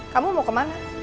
kamu mau kemana